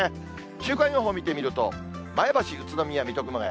週間予報見てみると、前橋、宇都宮、水戸、熊谷。